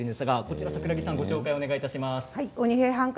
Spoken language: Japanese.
櫻木さん、ご紹介お願いします。